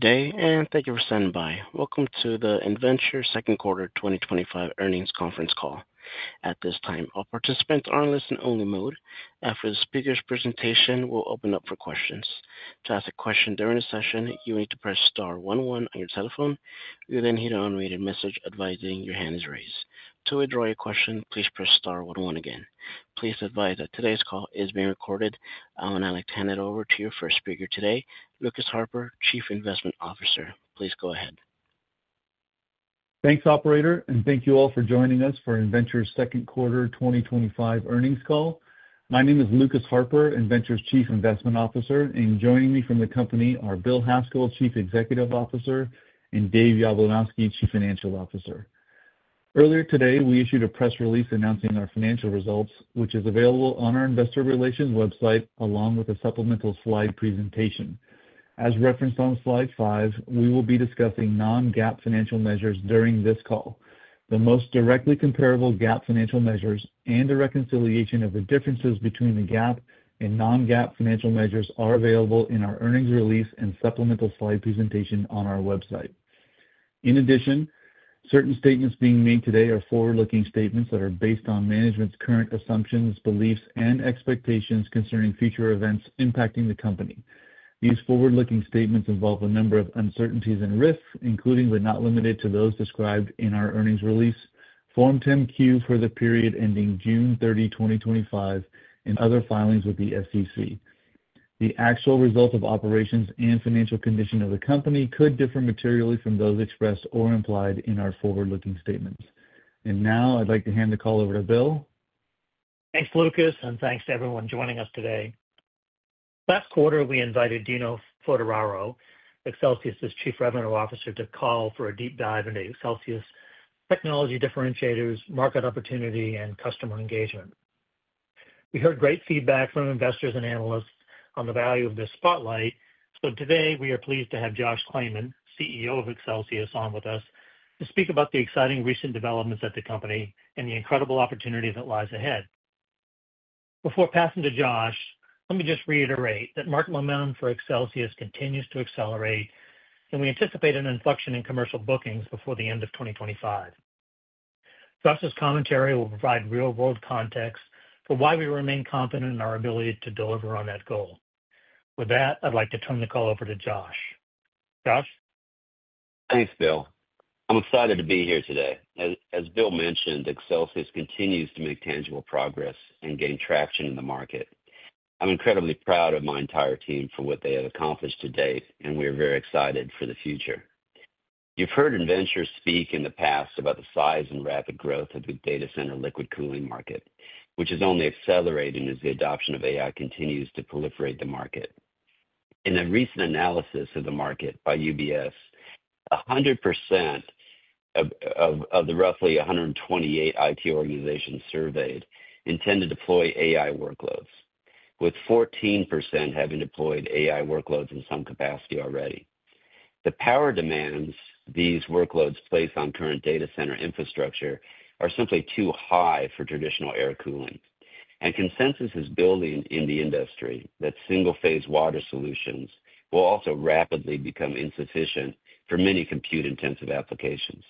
day and thank you for standing by. Welcome to the Innventure Second Quarter 2025 earnings conference call. At this time, all participants are in listen-only mode. After the speaker's presentation, we'll open it up for questions. To ask a question during the session, you need to press *11 on your telephone. You'll then hear an unrelated message advising your hand is raised. To withdraw your question, please press *11 again. Please be advised that today's call is being recorded. I'll now turn it over to your first speaker today, Lucas Harper, Chief Investment Officer. Please go ahead. Thanks, Operator, and thank you all for joining us for Innventure's Second Quarter 2025 earnings call. My name is Lucas Harper, Innventure's Chief Investment Officer, and joining me from the company are Bill Haskell, Chief Executive Officer, and Dave Yablunosky, Chief Financial Officer. Earlier today, we issued a press release announcing our financial results, which is available on our Investor Relations website along with a supplemental slide presentation. As referenced on slide five, we will be discussing non-GAAP financial measures during this call. The most directly comparable GAAP financial measures and a reconciliation of the differences between the GAAP and non-GAAP financial measures are available in our earnings release and supplemental slide presentation on our website. In addition, certain statements being made today are forward-looking statements that are based on management's current assumptions, beliefs, and expectations concerning future events impacting the company. These forward-looking statements involve a number of uncertainties and risks, including but not limited to those described in our earnings release, Form 10-Q for the period ending June 30, 2025, and other filings with the SEC. The actual result of operations and financial condition of the company could differ materially from those expressed or implied in our forward-looking statements. I'd like to hand the call over to Bill. Thanks, Lucas, and thanks to everyone joining us today. Last quarter, we invited Dino Foderaro, Accelsius Chief Revenue Officer, to the call for a deep dive into Accelsius technology differentiators, market opportunity, and customer engagement. We heard great feedback from investors and analysts on the value of this spotlight. Today, we are pleased to have Josh Claman, CEO of Accelsius, on with us to speak about the exciting recent developments at the company and the incredible opportunity that lies ahead. Before passing to Josh, let me just reiterate that market momentum for Accelsius continues to accelerate, and we anticipate an inflection in commercial bookings before the end of 2025. Josh's commentary will provide real-world context for why we remain confident in our ability to deliver on that goal. With that, I'd like to turn the call over to Josh. Josh? Thanks, Bill. I'm excited to be here today. As Bill mentioned, Accelsius continues to make tangible progress and gain traction in the market. I'm incredibly proud of my entire team for what they have accomplished to date, and we are very excited for the future. You've heard Innventure speak in the past about the size and rapid growth of the data center liquid cooling market, which is only accelerating as the adoption of AI continues to proliferate the market. In a recent analysis of the market by UBS, 100% of the roughly 128 IT organizations surveyed intend to deploy AI workloads, with 14% having deployed AI workloads in some capacity already. The power demands these workloads place on current data center infrastructure are simply too high for traditional air cooling. Consensus is building in the industry that single-phase water solutions will also rapidly become insufficient for many compute-intensive applications.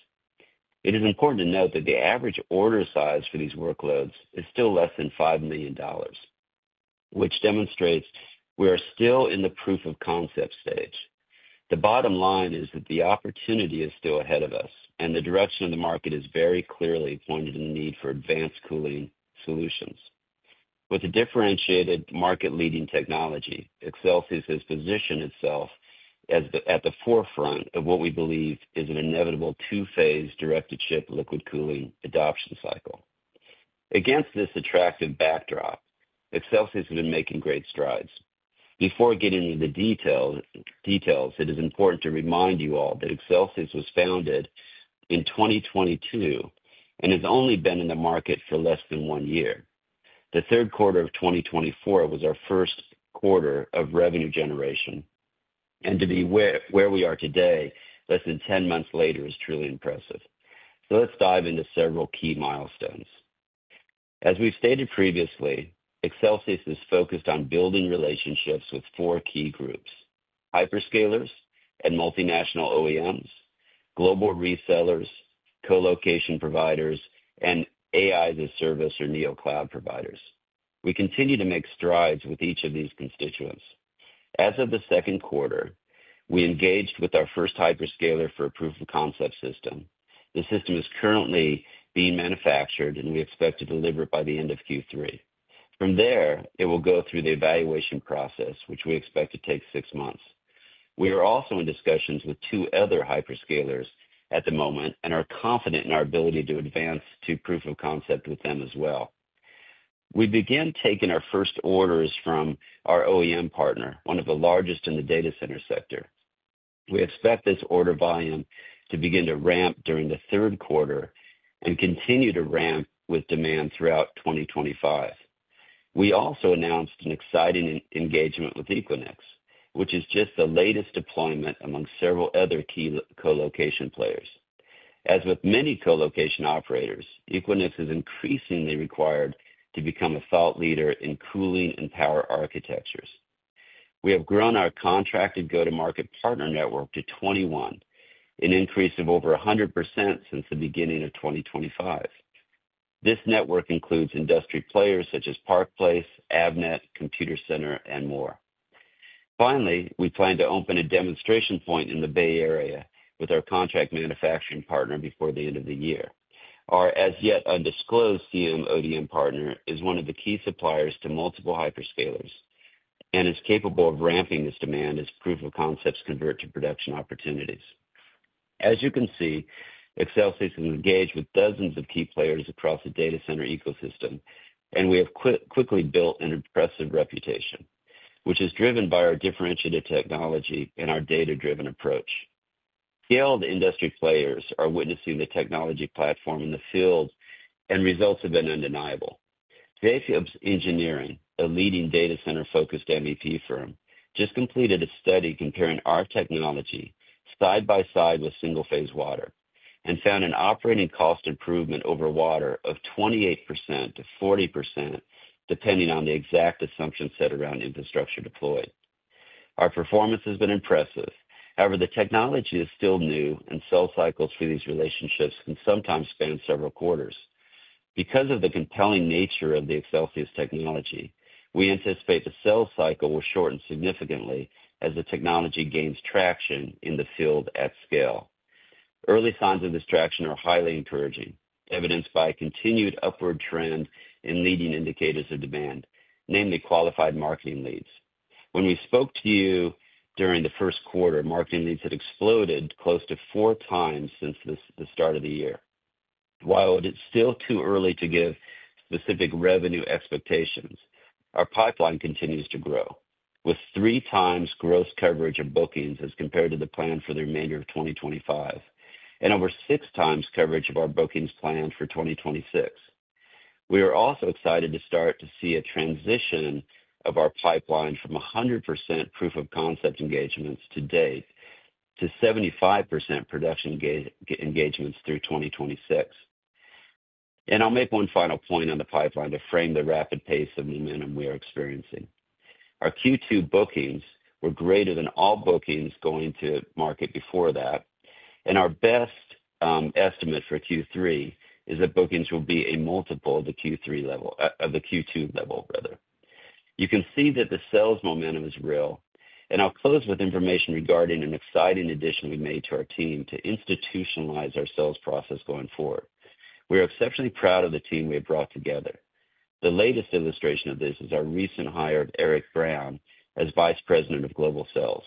It is important to note that the average order size for these workloads is still less than $5 million, which demonstrates we are still in the proof-of-concept stage. The bottom line is that the opportunity is still ahead of us, and the direction of the market is very clearly pointed in the need for advanced cooling solutions. With a differentiated market-leading technology, Accelsius has positioned itself at the forefront of what we believe is an inevitable two-phase directed chip liquid cooling adoption cycle. Against this attractive backdrop, Accelsius has been making great strides. Before we get into the details, it is important to remind you all that Accelsius was founded in 2022 and has only been in the market for less than one year. The third quarter of 2024 was our first quarter of revenue generation. To be where we are today, less than 10 months later, is truly impressive. Let's dive into several key milestones. As we've stated previously, Accelsius is focused on building relationships with four key groups: hyperscalers and multinational OEMs, global resellers, colocation providers, and AI-as-a-service, or NeoCloud providers. We continue to make strides with each of these constituents. As of the second quarter, we engaged with our first hyperscaler for a proof-of-concept system. The system is currently being manufactured, and we expect to deliver it by the end of Q3. From there, it will go through the evaluation process, which we expect to take six months. We are also in discussions with two other hyperscalers at the moment and are confident in our ability to advance to proof of concept with them as well. We began taking our first orders from our OEM partner, one of the largest in the data center sector. We expect this order volume to begin to ramp during the third quarter and continue to ramp with demand throughout 2025. We also announced an exciting engagement with Equinix, which is just the latest deployment among several other key colocation players. As with many colocation operators, Equinix is increasingly required to become a thought leader in cooling and power architectures. We have grown our contracted go-to-market partner network to 21, an increase of over 100% since the beginning of 2025. This network includes industry players such as Park place, Avnet, Computer Center, and more. Finally, we plan to open a demonstration point in the Bay Area with our contract manufacturing partner before the end of the year. Our as yet undisclosed CM ODM partner is one of the key suppliers to multiple hyperscalers and is capable of ramping this demand as proof of concepts convert to production opportunities. As you can see, Accelsius has engaged with dozens of key players across the data center ecosystem, and we have quickly built an impressive reputation, which is driven by our differentiated technology and our data-driven approach. The industry players are witnessing the technology platform in the field, and results have been undeniable. Jacobs Engineering, a leading data center-focused MEP firm, just completed a study comparing our technology side by side with single-phase water and found an operating cost improvement over water of 28% - 40%, depending on the exact assumptions set around infrastructure deployed. Our performance has been impressive. However, the technology is still new, and sell cycles for these relationships can sometimes span several quarters. Because of the compelling nature of the Accelsius technology, we anticipate the sell cycle will shorten significantly as the technology gains traction in the field at scale. Early signs of this traction are highly encouraging, evidenced by a continued upward trend in leading indicators of demand, namely qualified marketing leads. When we spoke to you during the first quarter, marketing leads had exploded close to four times since the start of the year. While it is still too early to give specific revenue expectations, our pipeline continues to grow, with three times gross coverage of bookings as compared to the plan for the remainder of 2025 and over six times coverage of our bookings planned for 2026. We are also excited to start to see a transition of our pipeline from 100% proof-of-concept engagements to date to 75% production engagements through 2026. I'll make one final point on the pipeline to frame the rapid pace of momentum we are experiencing. Our Q2 bookings were greater than all bookings going to market before that, and our best estimate for Q3 is that bookings will be a multiple of the Q2 level. You can see that the sales momentum is real, and I'll close with information regarding an exciting addition we made to our team to institutionalize our sales process going forward. We are exceptionally proud of the team we have brought together. The latest illustration of this is our recent hire of Eric Brown as Vice President of Global Sales.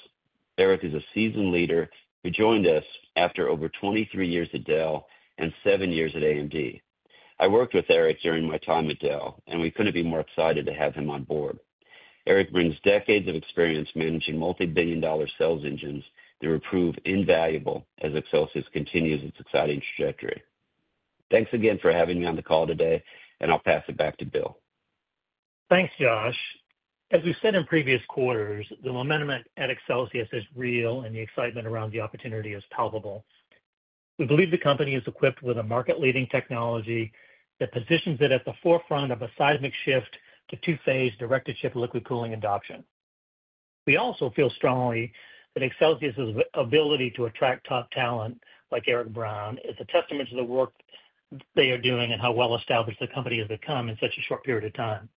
Eric is a seasoned leader who joined us after over 23 years at Dell and seven years at AMD. I worked with Eric during my time at Dell, and we couldn't be more excited to have him on board. Eric brings decades of experience managing multi-billion dollar sales engines that will prove invaluable asAccelsius continues its exciting trajectory. Thanks again for having me on the call today, and I'll pass it back to Bill. Thanks, Josh. As we said in previous quarters, the momentum at Accelsius is real, and the excitement around the opportunity is palpable. We believe the company is equipped with a market-leading technology that positions it at the forefront of a seismic shift to two-phase directed chip liquid cooling adoption. We also feel strongly that Accelsius's ability to attract top talent like Eric Brown is a testament to the work they are doing and how well-established the company has become in such a short period of time.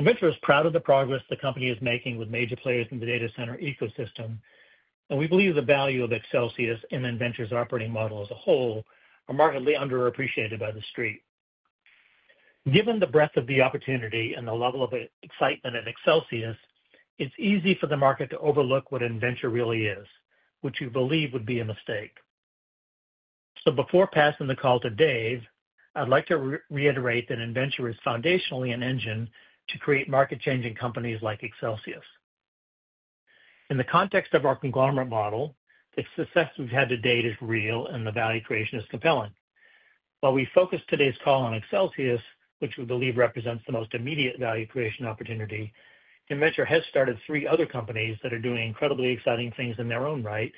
Innventure is proud of the progress the company is making with major players in the data center ecosystem, and we believe the value of Accelsius and Innventure's operating model as a whole is markedly underappreciated by the street. Given the breadth of the opportunity and the level of excitement at Accelsius, it's easy for the market to overlook what Innventure really is, which we believe would be a mistake. Before passing the call to Dave, I'd like to reiterate that Innventure is foundationally an engine to create market-changing companies like Accelsius. In the context of our conglomerate model, the success we've had to date is real, and the value creation is compelling. While we focus today's call on Accelsius, which we believe represents the most immediate value creation opportunity, Innventure has started three other companies that are doing incredibly exciting things in their own right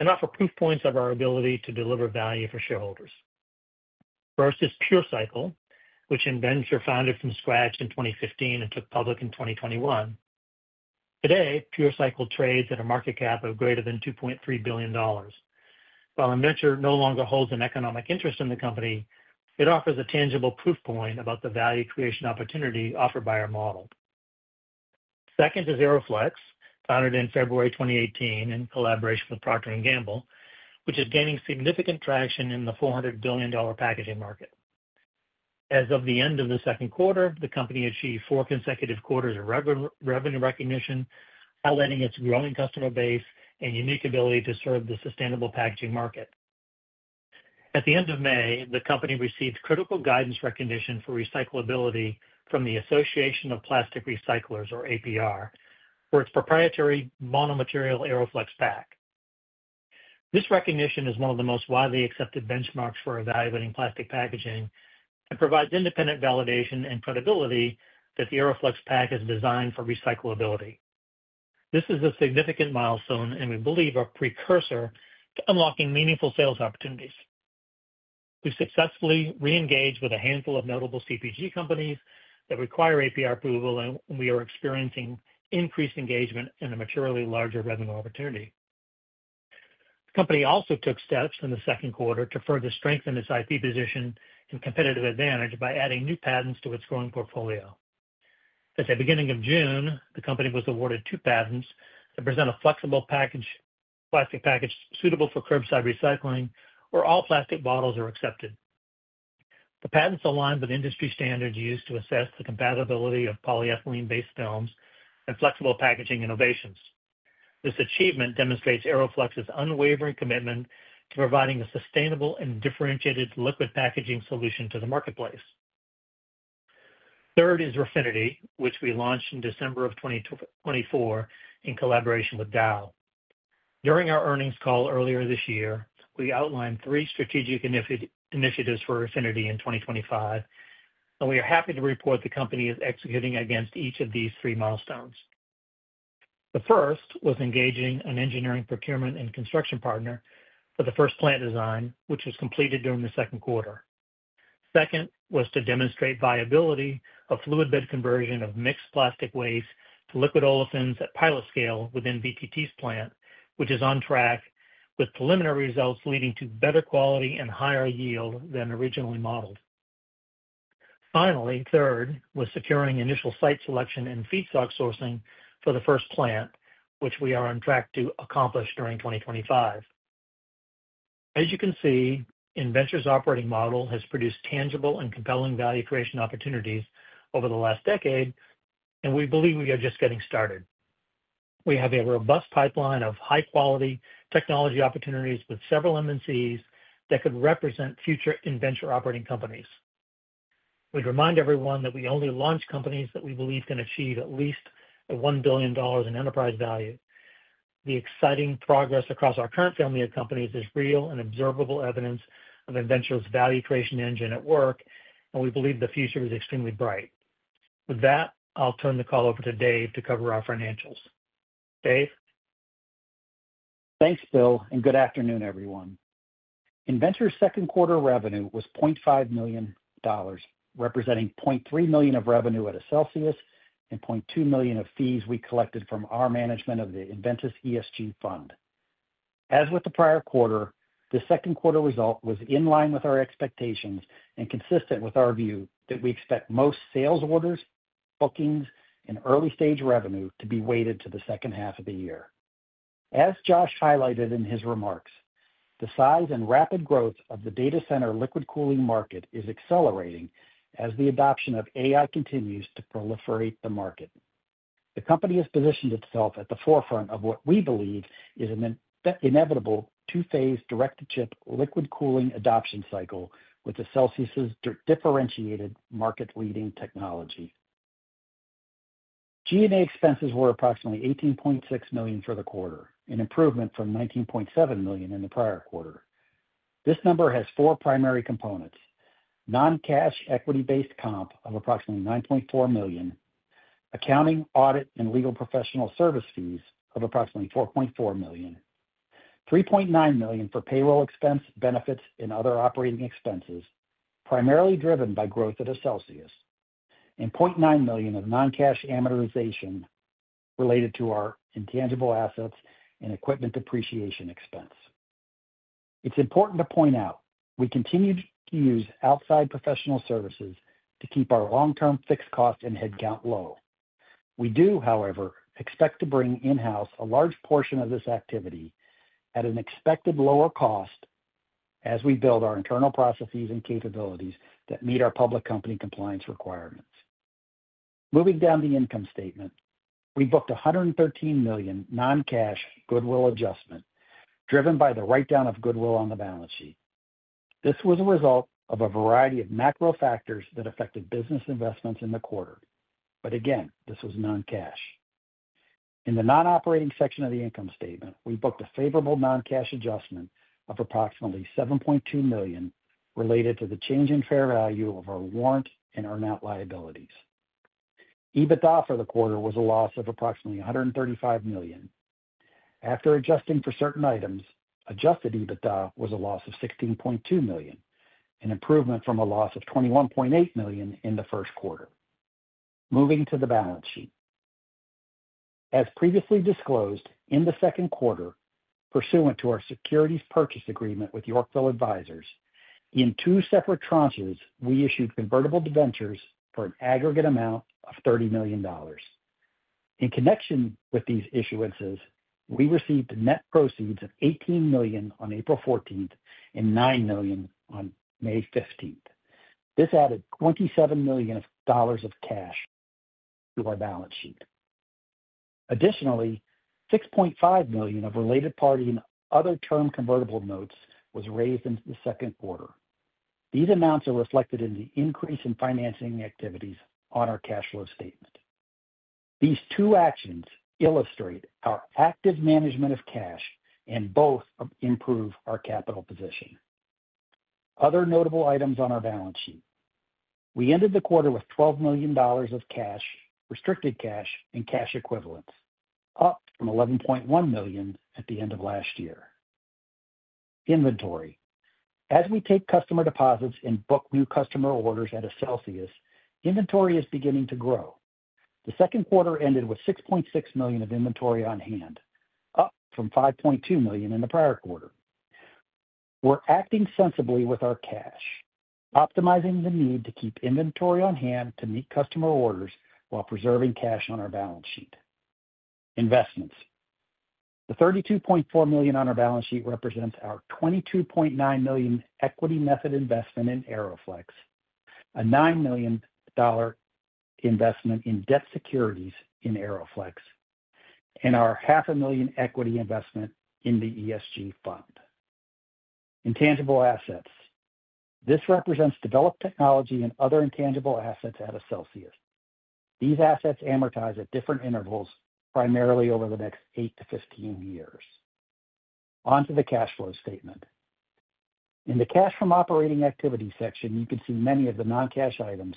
and offer proof points of our ability to deliver value for shareholders. First is PureCycle, which Innventure founded from scratch in 2015 and took public in 2021. Today, PureCycle trades at a market cap of greater than $2.3 billion. While Innventure no longer holds an economic interest in the company, it offers a tangible proof point about the value creation opportunity offered by our model. Second is AeroFlexx, founded in February 2018 in collaboration with Procter & Gamble, which is gaining significant traction in the $400 billion packaging market. As of the end of the second quarter, the company achieved four consecutive quarters of revenue recognition, highlighting its growing customer base and unique ability to serve the sustainable packaging market. At the end of May, the company received critical guidance recognition for recyclability from the Association of Plastic Recyclers, or APR, for its proprietary monomaterial AeroFlexx Pack. This recognition is one of the most widely accepted benchmarks for evaluating plastic packaging and provides independent validation and credibility that the AeroFlexx Pack is designed for recyclability. This is a significant milestone, and we believe a precursor to unlocking meaningful sales opportunities. We've successfully re-engaged with a handful of notable CPG companies that require APR approval, and we are experiencing increased engagement in a materially larger revenue opportunity. The company also took steps in the second quarter to further strengthen its IP position and competitive advantage by adding new patents to its growing portfolio. At the beginning of June, the company was awarded two patents that present a flexible plastic package suitable for curbside recycling, where all plastic bottles are accepted. The patents aligned with industry standards used to assess the compatibility of polyethylene-based films and flexible packaging innovations. This achievement demonstrates AeroFlexx's unwavering commitment to providing a sustainable and differentiated liquid packaging solution to the marketplace. Third is Refinity, which we launched in December of 2024 in collaboration with Dow. During our earnings call earlier this year, we outlined three strategic initiatives for Refinity in 2025, and we are happy to report the company is executing against each of these three milestones. The first was engaging an engineering, procurement, and construction partner for the first plant design, which was completed during the second quarter. The second was to demonstrate viability of fluid bed conversion of mixed plastic waste to liquid olefins at pilot scale within VTT's plant, which is on track with preliminary results leading to better quality and higher yield than originally modeled. Finally, third was securing initial site selection and feedstock sourcing for the first plant, which we are on track to accomplish during 2025. As you can see, Innventure's operating model has produced tangible and compelling value creation opportunities over the last decade, and we believe we are just getting started. We have a robust pipeline of high-quality technology opportunities with several MNCs that could represent future Innventure operating companies. We'd remind everyone that we only launch companies that we believed can achieve at least $1 billion in enterprise value. The exciting progress across our current family of companies is real and observable evidence of Innventure's value creation engine at work, and we believe the future is extremely bright. With that, I'll turn the call over to Dave to cover our financials. Dave? Thanks, Bill, and good afternoon, everyone. Innventure's second quarter revenue was $0.5 million, representing $0.3 million of revenue at Accelsius and $0.2 million of fees we collected from our management of the Innventure ESG fund. As with the prior quarter, the second quarter result was in line with our expectations and consistent with our view that we expect most sales orders, bookings, and early-stage revenue to be weighted to the second half of the year. As Josh highlighted in his remarks, the size and rapid growth of the data center liquid cooling market is accelerating as the adoption of AI continues to proliferate the market. The company has positioned itself at the forefront of what we believe is an inevitable two-phase directed chip liquid cooling adoption cycle with Accelsius's differentiated market-leading technology. G&A expenses were approximately $18.6 million for the quarter, an improvement from $19.7 million in the prior quarter. This number has four primary components: non-cash equity-based comp of approximately $9.4 million, accounting, audit, and legal professional service fees of approximately $4.4 million, $3.9 million for payroll expense, benefits, and other operating expenses, primarily driven by growth at Accelsius, and $0.9 million of non-cash amortization related to our intangible assets and equipment depreciation expense. It's important to point out we continue to use outside professional services to keep our long-term fixed cost and headcount low. We do, however, expect to bring in-house a large portion of this activity at an expected lower cost as we build our internal processes and capabilities that meet our public company compliance requirements. Moving down the income statement, we booked $113 million non-cash goodwill adjustment, driven by the write-down of goodwill on the balance sheet. This was a result of a variety of macro factors that affected business investments in the quarter, but again, this was non-cash. In the non-operating section of the income statement, we booked a favorable non-cash adjustment of approximately $7.2 million related to the change in fair value of our warrant and earnout liabilities. EBITDA for the quarter was a loss of approximately $135 million. After adjusting for certain items, adjusted EBITDA was a loss of $16.2 million, an improvement from a loss of $21.8 million in the first quarter. Moving to the balance sheet. As previously disclosed, in the second quarter, pursuant to our securities purchase agreement with Yorkville Advisors, in two separate tranches, we issued convertible debentures for an aggregate amount of $30 million. In connection with these issuances, we received net proceeds of $18 million on April 14th and $9 million on May 15th. This added $27 million of cash to our balance sheet. Additionally, $6.5 million of related party and other term convertible notes was raised in the second quarter. These amounts are reflected in the increase in financing activities on our cash flow statement. These two actions illustrate our active management of cash and both improve our capital position. Other notable items on our balance sheet. We ended the quarter with $12 million of cash, restricted cash, and cash equivalents, up from $11.1 million at the end of last year. Inventory. As we take customer deposits and book new customer orders at Accelsius, inventory is beginning to grow. The second quarter ended with $6.6 million of inventory on hand, up from $5.2 million in the prior quarter. We're acting sensibly with our cash, optimizing the need to keep inventory on hand to meet customer orders while preserving cash on our balance sheet. Investments. The $32.4 million on our balance sheet represents our $22.9 million equity method investment in AeroFlexx, a $9 million investment in debt securities in AeroFlexx, and our half a million equity investment in the ESG fund. Intangible assets. This represents developed technology and other intangible assets at Accelsius. These assets amortize at different intervals, primarily over the next 8 - 15 years. Onto the cash flow statement. In the cash from operating activity section, you can see many of the non-cash items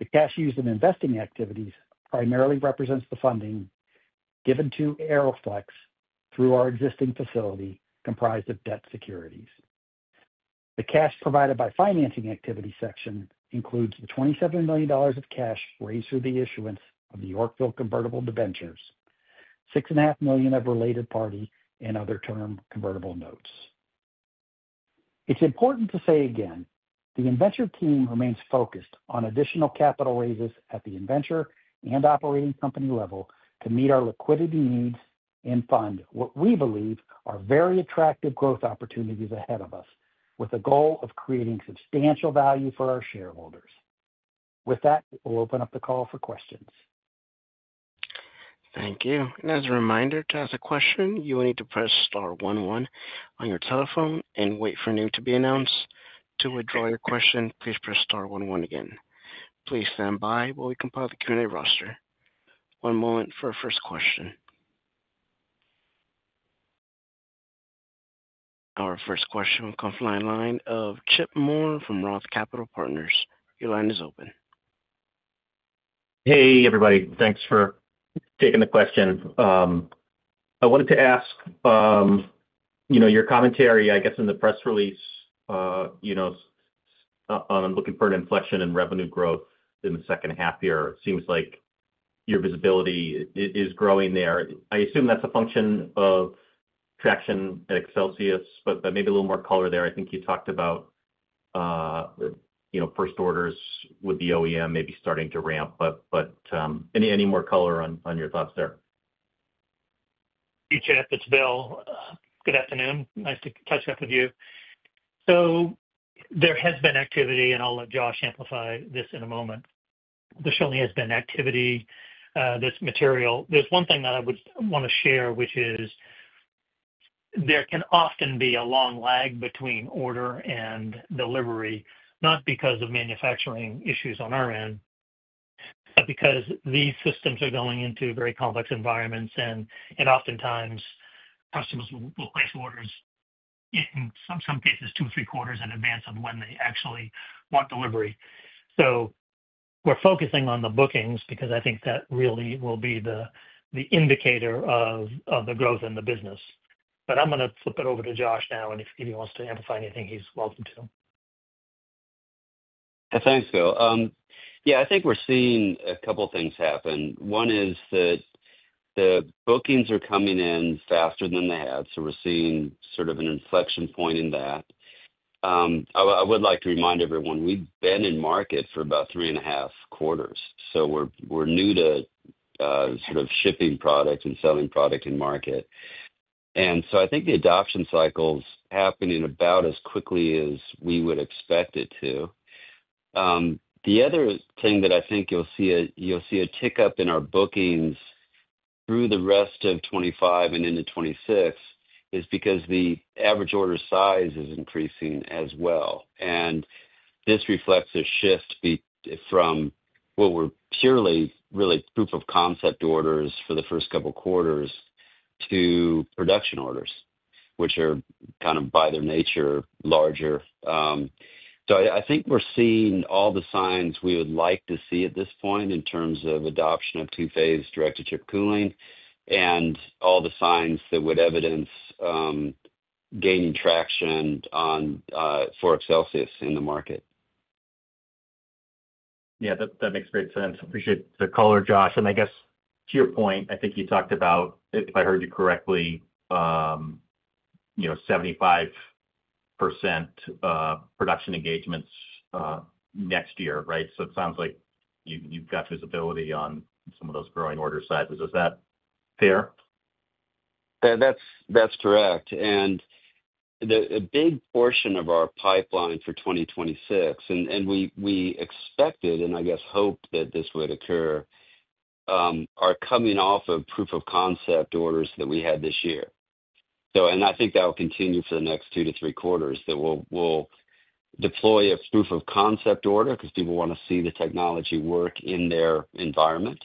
I mentioned earlier. The cash used in investing activities primarily represents the funding given to AeroFlexx through our existing facility comprised of debt securities. The cash provided by financing activity section includes the $27 million of cash raised through the issuance of the Yorkville convertible debentures, $6.5 million of related party and other term convertible notes. It's important to say again, the Innventure team remains focused on additional capital raises at the Innventure and operating company level to meet our liquidity needs and fund what we believe are very attractive growth opportunities ahead of us, with a goal of creating substantial value for our shareholders. With that, we'll open up the call for questions. Thank you. As a reminder, to ask a question, you will need to press star 11 on your telephone and wait for your name to be announced. To withdraw your question, please press star 11 again. Please stand by while we compile the Q&A roster. One moment for our first question. Our first question will come from the line of Chip Moore from Roth Capital Partners. Your line is open. Hey, everybody. Thanks for taking the question. I wanted to ask, your commentary, I guess, in the press release, on looking for an inflection in revenue growth in the second half here. It seems like your visibility is growing there. I assume that's a function of traction atAccelsius, but maybe a little more color there. I think you talked about first orders with the OEM maybe starting to ramp, but any more color on your thoughts there? You too, I think it's Bill. Good afternoon. Nice to touch back with you. There has been activity, and I'll let Josh amplify this in a moment. There certainly has been activity. There's one thing that I would want to share, which is there can often be a long lag between order and delivery, not because of manufacturing issues on our end, but because these systems are going into very complex environments, and oftentimes customers will place orders in some cases, two, three quarters in advance of when they actually want delivery. We're focusing on the bookings because I think that really will be the indicator of the growth in the business. I'm going to flip it over to Josh now, and if he wants to amplify anything, he's welcome to. Yeah, thanks, Bill. I think we're seeing a couple of things happen. One is that the bookings are coming in faster than they have, so we're seeing sort of an inflection point in that. I would like to remind everyone, we've been in market for about three and a half quarters, so we're new to sort of shipping product and selling product in market. I think the adoption cycle's happening about as quickly as we would expect it to. The other thing that I think you'll see a tick up in our bookings through the rest of 2025 and into 2026 is because the average order size is increasing as well. This reflects a shift from what were purely really proof-of-concept orders for the first couple of quarters to production orders, which are kind of by their nature larger. I think we're seeing all the signs we would like to see at this point in terms of adoption of two-phase directed chip liquid cooling and all the signs that would evidence gaining traction forAccelsius in the market. Yeah, that makes great sense. Appreciate the color, Josh. I guess to your point, I think you talked about, if I heard you correctly, you know, 75% production engagements next year, right? It sounds like you've got visibility on some of those growing order sizes. Is that fair? That's correct. A big portion of our pipeline for 2026, and we expected and I guess hoped that this would occur, are coming off of proof-of-concept orders that we had this year. I think that will continue for the next two to three quarters that we'll deploy a proof-of-concept order because people want to see the technology work in their environment.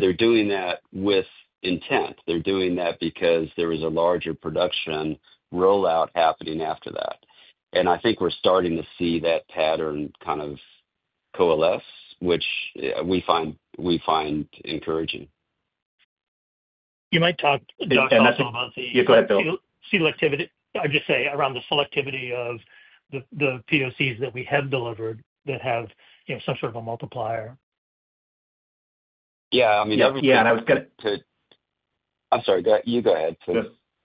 They're doing that with intent. They're doing that because there is a larger production rollout happening after that. I think we're starting to see that pattern kind of coalesce, which we find encouraging. You might talk, Josh, a little about the. Yeah, go ahead, Bill. I'm just saying around the selectivity of the POCs that we have delivered that have, you know, some sort of a multiplier. Yeah, I mean, I was going to, I'm sorry, you go ahead.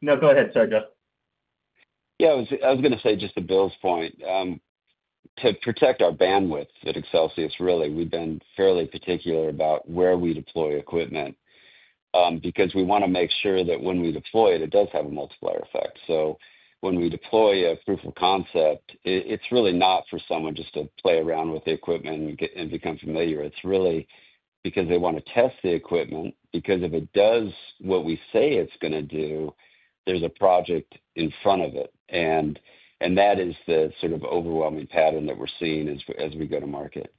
No, go ahead. Sorry, Josh. Yeah, I was going to say just to Bill's point, to protect our bandwidth at Accelsius, we've been fairly particular about where we deploy equipment because we want to make sure that when we deploy it, it does have a multiplier effect. When we deploy a proof of concept, it's really not for someone just to play around with the equipment and become familiar. It's really because they want to test the equipment because if it does what we say it's going to do, there's a project in front of it. That is the sort of overwhelming pattern that we're seeing as we go to market.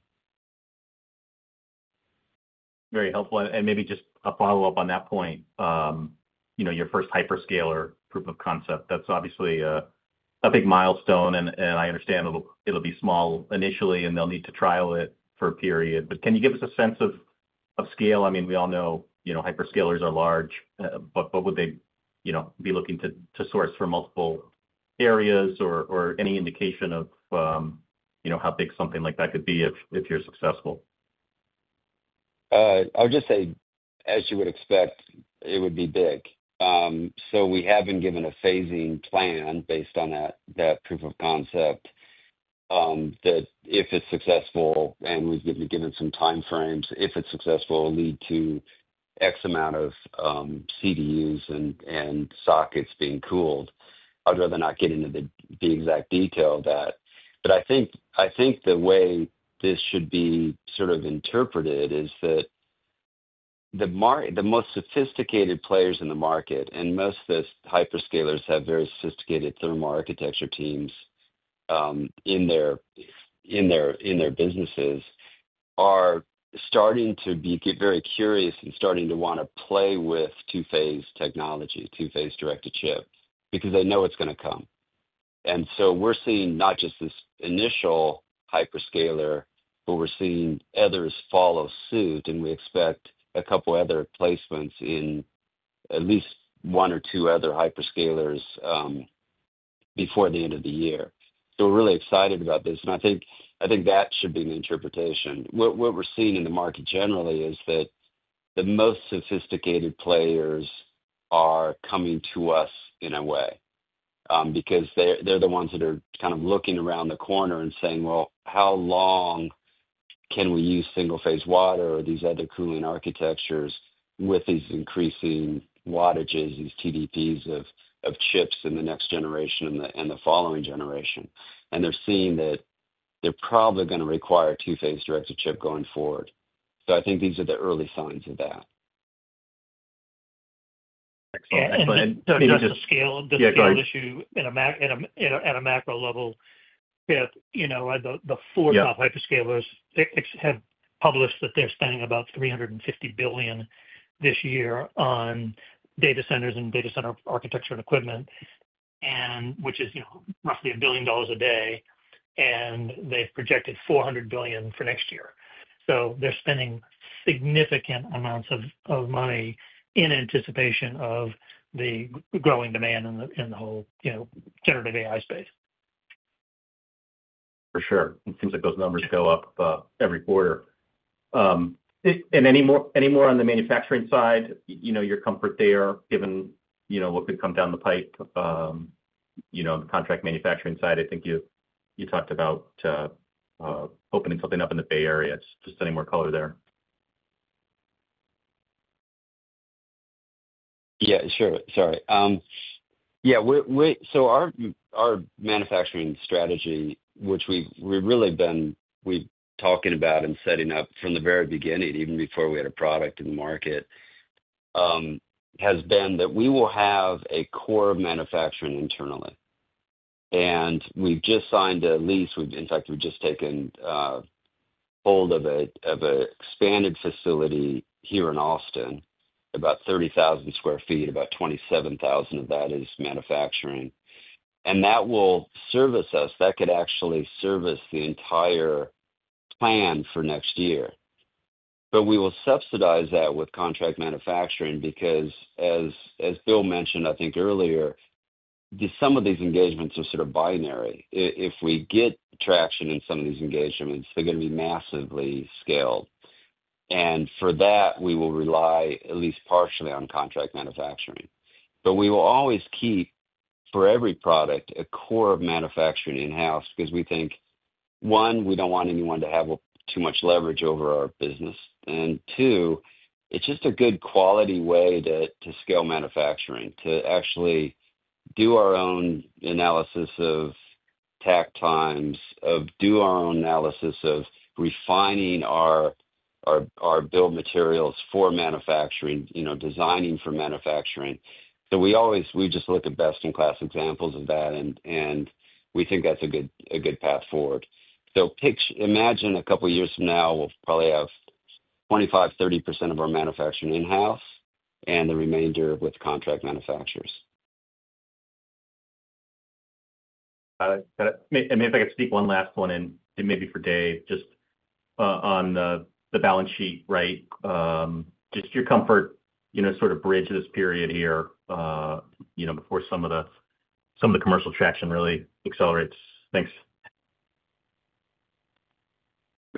Very helpful. Maybe just a follow-up on that point. Your first hyperscaler proof of concept, that's obviously a big milestone. I understand it'll be small initially, and they'll need to trial it for a period. Can you give us a sense of scale? I mean, we all know hyperscalers are large, but would they be looking to source from multiple areas or any indication of how big something like that could be if you're successful? I would just say, as you would expect, it would be big. We have been given a phasing plan based on that proof-of-concept system that if it's successful, and we've been given some timeframes, if it's successful, it'll lead to X amount of CPUs and sockets being cooled. I'd rather not get into the exact detail of that. I think the way this should be sort of interpreted is that the most sophisticated players in the market, and most of the hyperscalers have very sophisticated thermal architecture teams in their businesses, are starting to get very curious and starting to want to play with two-phase technology, two-phase directed chip, because they know it's going to come. We're seeing not just this initial hyperscaler, but we're seeing others follow suit. We expect a couple of other placements in at least one or two other hyperscalers before the end of the year. We're really excited about this, and I think that should be an interpretation. What we're seeing in the market generally is that the most sophisticated players are coming to us in a way because they're the ones that are kind of looking around the corner and saying, how long can we use single-phase water or these other cooling architectures with these increasing wattages, these TDPs of chips in the next generation and the following generation. They're seeing that they're probably going to require two-phase directed chip going forward. I think these are the early signs of that. Excellent. To scale this whole issue at a macro level, the four top hyperscalers have published that they're spending about $350 billion this year on data centers and data center architecture and equipment, which is roughly $1 billion a day. They've projected $400 billion for next year. They're spending significant amounts of money in anticipation of the growing demand in the whole generative AI space. For sure. It seems like those numbers go up every quarter. Any more on the manufacturing side, your comfort there, given what could come down the pipe on the contract manufacturing side? I think you talked about opening something up in the Bay Area. Just any more color there? Yeah, sure. Sorry. Our manufacturing strategy, which we've really been, we've talked about and set it up from the very beginning, even before we had a product in the market, has been that we will have a core manufacturing internally. We've just signed a lease. In fact, we've just taken hold of an expanded facility here in Austin, about 30,000 sq ft. About 27,000 of that is manufacturing, and that will service us. That could actually service the entire plan for next year. We will subsidize that with contract manufacturing because, as Bill mentioned earlier, some of these engagements are sort of binary. If we get traction in some of these engagements, they're going to be massively scaled. For that, we will rely at least partially on contract manufacturing. We will always keep, for every product, a core of manufacturing in-house because we think, one, we don't want anyone to have too much leverage over our business, and two, it's just a good quality way to scale manufacturing, to actually do our own analysis of tack times, do our own analysis of refining our build materials for manufacturing, you know, designing for manufacturing. We always look at best-in-class examples of that, and we think that's a good path forward. Imagine a couple of years from now, we'll probably have 25%-30% of our manufacturing in-house and the remainder with contract manufacturers. Got it. Got it. Maybe if I could sneak one last one in, maybe for Dave, just on the balance sheet, right? Just your comfort, you know, sort of bridge this period here before some of the commercial traction really accelerates? Thanks.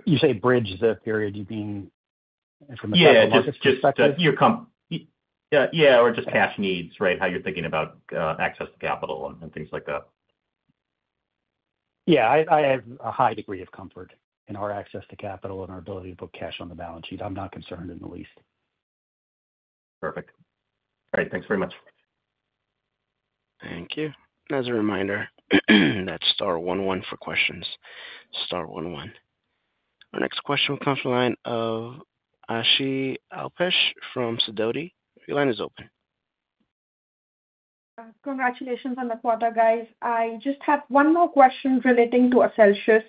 You say bridge the period, you mean? Yeah, just your comfort or just cash needs, right? How you're thinking about access to capital and things like that. Yeah, I have a high degree of comfort in our access to capital and our ability to book cash on the balance sheet. I'm not concerned in the least. Perfect. All right. Thanks very much. Thank you. As a reminder, that's star 11 for questions, star 11. Our next question will come from the line of Ashi Alpesh from Sidoti. Your line is open. Congratulations on the product, guys. I just have one more question relating toAccelsius,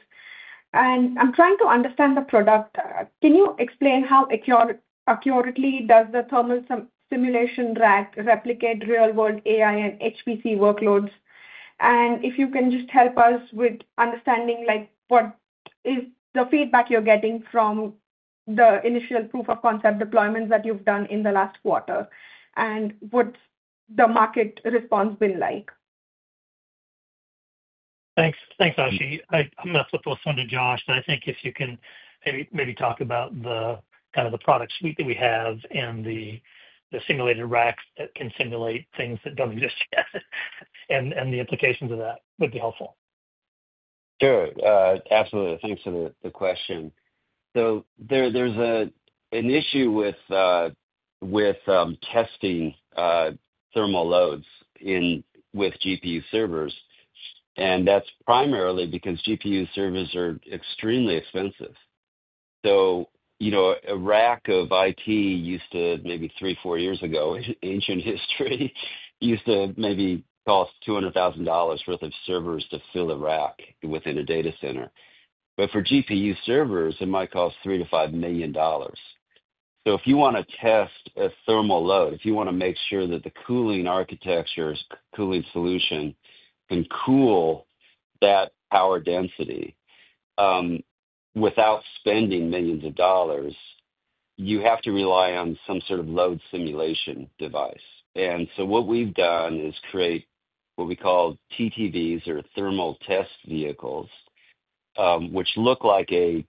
and I'm trying to understand the product. Can you explain how accurately does the thermal simulation rack replicate real-world AI and HPC workloads? If you can just help us with understanding, like, what is the feedback you're getting from the initial proof-of-concept deployments that you've done in the last quarter? What's the market response been like? Thanks, Ashi. I'm going to flip this one to Josh, but I think if you can maybe talk about the kind of the product suite that we have and the simulated racks that can simulate things that don't exist yet, and the implications of that would be helpful. Sure. Absolutely. Thanks for the question. There's an issue with testing thermal loads with GPU servers, and that's primarily because GPU servers are extremely expensive. A rack of IT used to, maybe three, four years ago, ancient history, used to maybe cost $200,000 worth of servers to fill a rack within a data center. For GPU servers, it might cost $3 million to $5 million. If you want to test a thermal load, if you want to make sure that the cooling architecture's cooling solution can cool that power density without spending millions of dollars, you have to rely on some sort of load simulation device. What we've done is create what we call TTBs or thermal test vehicles, which look like a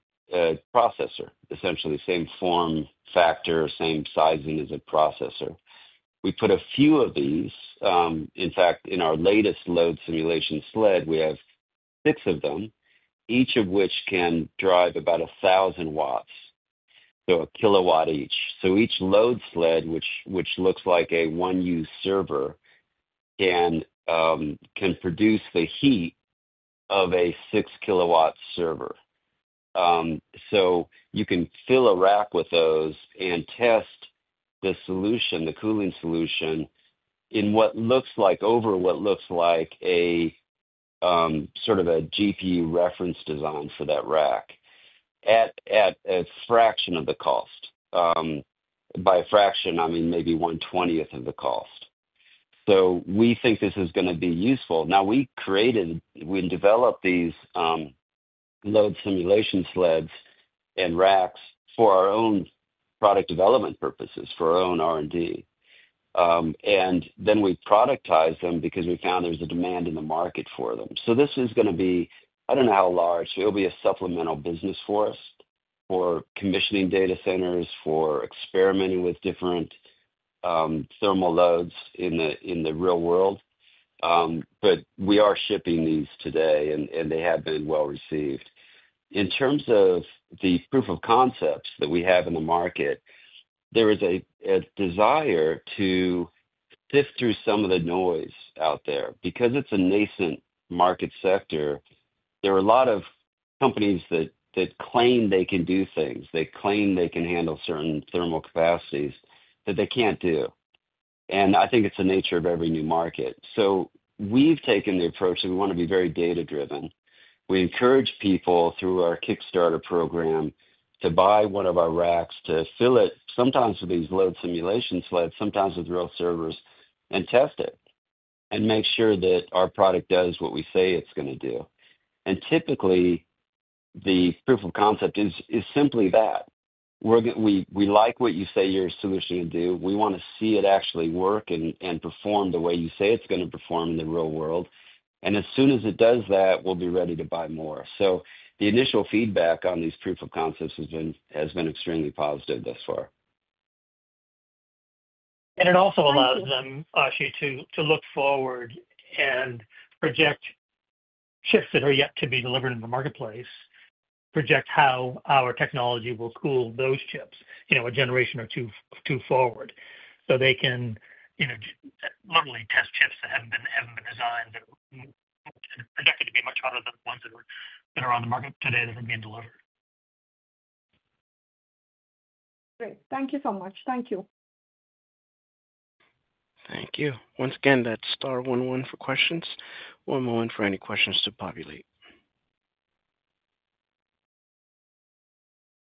processor, essentially, same form factor, same sizing as a processor. We put a few of these. In fact, in our latest load simulation sled, we have six of them, each of which can drive about 1,000 watts, so a kilowatt each. Each load sled, which looks like a one-use server, can produce the heat of a 6 kW server. You can fill a rack with those and test the solution, the cooling solution, in what looks like, over what looks like a sort of a GPU reference design for that rack at a fraction of the cost. By a fraction, I mean maybe 1/20 of the cost. We think this is going to be useful. We created, we developed these load simulation sleds and racks for our own product development purposes, for our own R&D. We productized them because we found there's a demand in the market for them. This is going to be, I don't know how large, but it'll be a supplemental business for us for commissioning data centers, for experimenting with different thermal loads in the real world. We are shipping these today, and they have been well received. In terms of the proof of concepts that we have in the market, there is a desire to sift through some of the noise out there. Because it's a nascent market sector, there are a lot of companies that claim they can do things, they claim they can handle certain thermal capacities that they can't do. I think it's the nature of every new market. We've taken the approach, and we want to be very data-driven. We encourage people through our Kickstarter program to buy one of our racks, to fill it sometimes with these load simulation sleds, sometimes with real servers, and test it and make sure that our product does what we say it's going to do. Typically, the proof of concept is simply that. We like what you say your solution can do. We want to see it actually work and perform the way you say it's going to perform in the real world. As soon as it does that, we'll be ready to buy more. The initial feedback on these proof-of-concept systems has been extremely positive thus far. It also allows them, Ashi, to look forward and project chips that are yet to be delivered in the marketplace, project how our technology will cool those chips a generation or two forward. They can literally test chips that haven't been designed and projected to be much hotter than the ones that are on the market today that are being delivered. Great. Thank you so much. Thank you. Thank you. Once again, that's star 11 for questions, 11 for any questions to populate.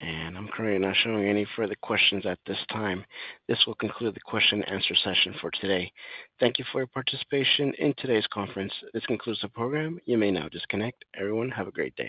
I'm currently not showing any further questions at this time. This will conclude the question and answer session for today. Thank you for your participation in today's conference. This concludes the program. You may now disconnect. Everyone, have a great day.